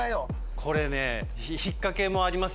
これね引っかけもあります